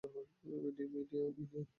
ভিডিওর মেয়েটি আমি নই।